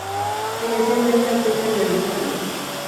Inicialmente, a Peter le gusta Liz.